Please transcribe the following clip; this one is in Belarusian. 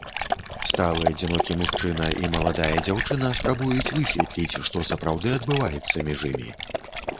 Сталы адзінокі мужчына і маладая дзяўчына спрабуюць высветліць, што сапраўды адбываецца між імі.